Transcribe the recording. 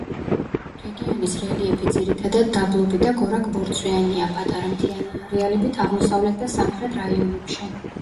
რეგიონის რელიეფი ძირითადად დაბლობი და გორაკ-ბორცვიანია, პატარა მთიანი არეალებით აღმოსავლეთ და სამხრეთ რაიონებში.